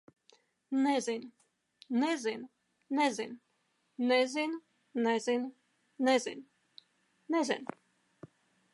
Nezinu. Nezinu. Nezinu. Nezinu. Nezinu. Nezinu. Nezinu.